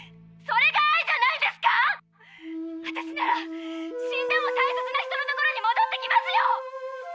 それが愛じゃないんですか⁉私なら死んでも大切な人の所にもどってきますよ！